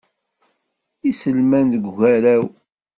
Iselman deg ugaraw.